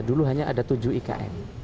dulu hanya ada tujuh ikn